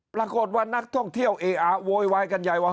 ปรากฏว่านักท่องเที่ยวเออะโวยวายกันใหญ่ว่า